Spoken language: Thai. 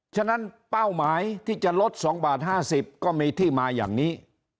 ฉะนั้นเป้าหมายที่จะลด๒บาท๕๐ก็มีที่มาอย่างนี้